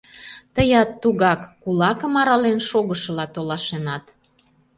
Тыят тугак: кулакым арален шогышыла толашенат.